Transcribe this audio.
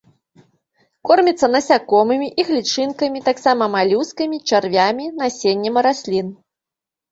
Корміцца насякомымі, іх лічынкамі, таксама малюскамі, чарвямі, насеннем раслін.